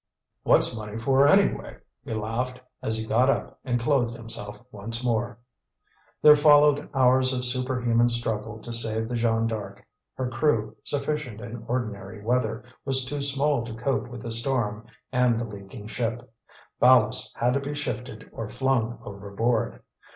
"What's money for, anyway!" he laughed, as he got up and clothed himself once more. There followed hours of superhuman struggle to save the Jeanne D'Arc. Her crew, sufficient in ordinary weather, was too small to cope with the storm and the leaking ship. Ballast had to be shifted or flung overboard.